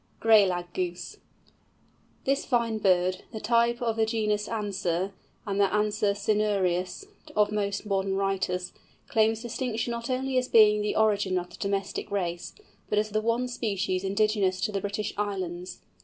GRAY LAG GOOSE. This fine bird, the type of the genus Anser, and the Anser cinereus of most modern writers, claims distinction not only as being the origin of the domestic race, but as the one species indigenous to the British Islands.